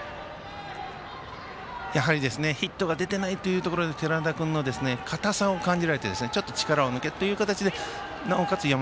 やはりヒットが出てないというところで寺田君の硬さを感じられてちょっと力を抜けっていう感じでなおかつ